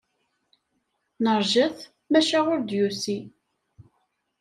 Neṛja-t maca ur d-yusi.